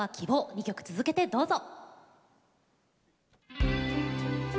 ２曲続けてどうぞ。